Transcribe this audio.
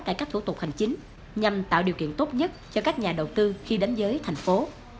cải cách thủ tục hành chính nhằm tạo điều kiện tốt nhất cho các nhà đầu tư khi đến giới thành phố